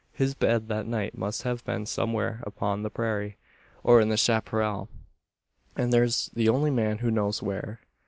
His bed that night must have been somewhere upon the prairie, or in the chapparal; and there's the only man who knows where."